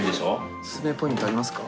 オススメポイントありますか？